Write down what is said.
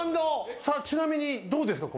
ちなみにどうですか？